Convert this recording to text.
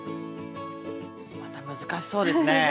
また難しそうですね。